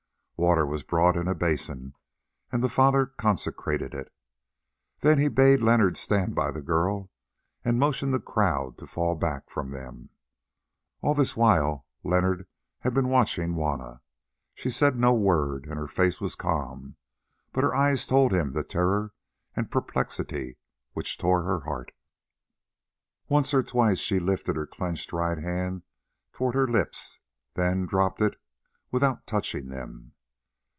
Water was brought in a basin, and the father consecrated it. Then he bade Leonard stand by the girl and motioned to the crowd to fall back from them. All this while Leonard had been watching Juanna. She said no word, and her face was calm, but her eyes told him the terror and perplexity which tore her heart. Once or twice she lifted her clenched right hand towards her lips, then dropped it without touching them.